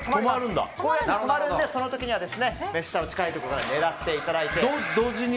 こうやって止まるのでその時には近いところから狙っていただいて。